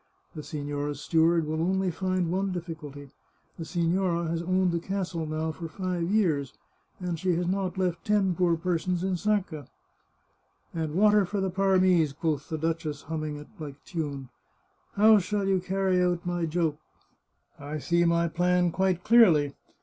" The signora's steward will only find one difficulty. The signora has owned the castle now for five years, and she has not left ten poor persons in Sacca." " And water for the Parmese !" quoth the duchess, hum ming it like a tune. " How shall you carry out my joke? " 415 The Chartreuse of Parma " I see my plan quite clearly.